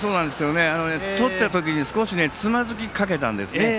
とったときにつまずきかけたんですね。